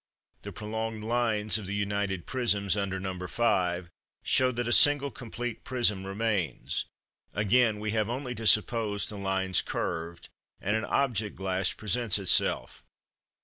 The prolonged lines of the united prisms, under No. 5, show that a single complete prism remains: again, we have only to suppose the lines curved, and an object glass presents itself.